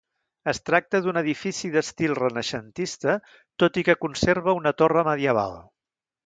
Es tracta d'un edifici d'estil renaixentista tot i que conserva una torre medieval.